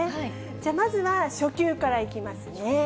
じゃあまずは初級からいきますね。